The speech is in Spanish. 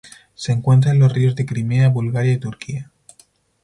Se encuentra en los ríos de Crimea, Bulgaria y Turquía.